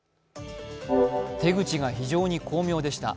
手口が非常に巧妙でした。